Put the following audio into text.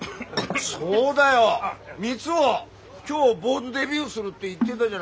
そうだよ三生今日坊主デビューするって言ってだじゃない。